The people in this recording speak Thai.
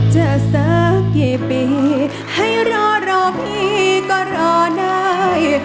ถ้าสักเย็บไปให้รอรอเพียงก็รอได้